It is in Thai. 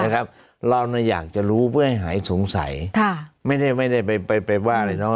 ครับเราไม่อยากจะรู้เพื่อให้หายสงสัยค่ะไม่ได้ไม่ได้ไปไปไปว่าเลยน้อง